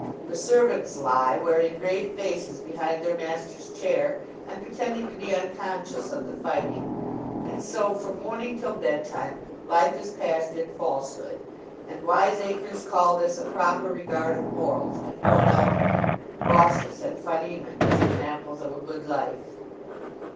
The servants lie, wearing grave faces behind their master's chair, and pretending to be unconscious of the fighting; and so, from morning till bedtime, life is passed in falsehood. And wiseacres call this a proper regard of morals, and point out Baucis and Philemon as examples of a good life.